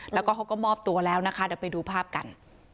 แล้วก็เขาก็มอบตัวแล้วนะคะเดี๋ยวไปดูภาพกัน